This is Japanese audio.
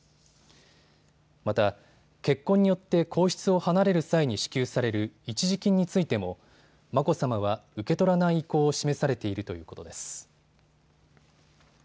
また結婚によって皇室を離れる際に支給される一時金についても眞子さまは受け取らない意向を示されているということです。